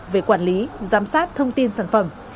về quản lý giám sát thông tin sản phẩm